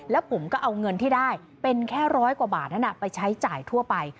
แล้วผมก็เอาเงินที่ได้เป็นแค่ร้อยกว่าบาทนั้นไปใช้จ่ายทั่วไป